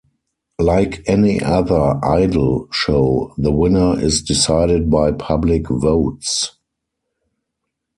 Like any other "Idol" show, the winner is decided by public votes.